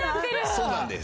そうなんです。